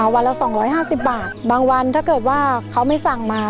วันละ๒๕๐บาทบางวันถ้าเกิดว่าเขาไม่สั่งมา